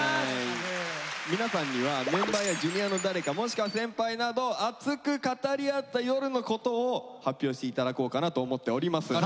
皆さんにはメンバーやＪｒ．の誰かもしくは先輩などアツく語り合った夜のことを発表して頂こうかなと思っております。